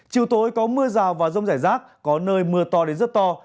chiều tối có mưa rào và rông rải rác có nơi mưa to đến rất to